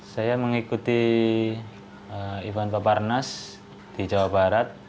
saya mengikuti event paparnas di jawa barat